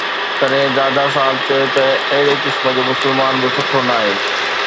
تڏهن دادا صاحب چيو ته اهڙي قسم جو مسلمان به سٺو ناهي